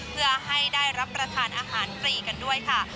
เพื่อให้ได้รับประทานอาหารฟรีกันด้วยค่ะ